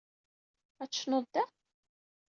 Ad tecnuḍ da?